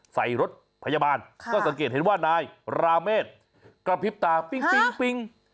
ใส่รถพยาบาลก็สังเกตเห็นว่านายราเมฆกระพริบตาปิ้ง